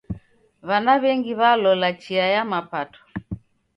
W'ana w'engi w'alola chia ya mapato.